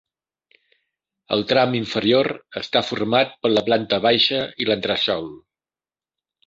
El tram inferior està format per la planta baixa i l'entresòl.